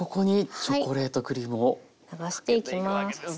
流していきます。